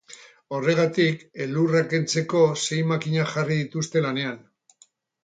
Horregatik, elurra kentzeko sei makina jarri dituzte lanean.